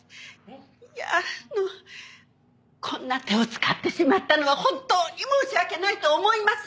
いやあのこんな手を使ってしまったのは本当に申し訳ないと思います。